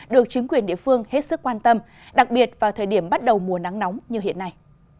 được chính quyền địa phương hết sức quan tâm đặc biệt vào thời điểm bắt đầu mùa nắng nóng như hiện nay